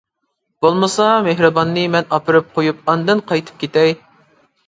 بولمىسا مېھرىباننى مەن ئاپىرىپ قويۇپ ئاندىن قايتىپ كېتەي.